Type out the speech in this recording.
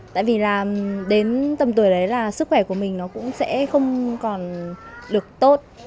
tại vì là đến tầm tuổi đấy là sức khỏe của mình nó cũng sẽ không còn được tốt